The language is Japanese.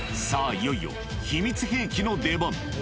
いよいよ秘密兵器の出番